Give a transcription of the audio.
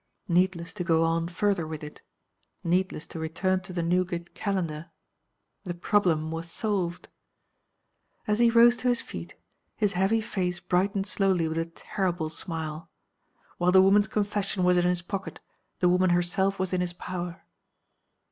Needless to go on further with it. Needless to return to the Newgate Calendar. The problem was solved. As he rose to his feet his heavy face brightened slowly with a terrible smile. While the woman's Confession was in his pocket the woman herself was in his power.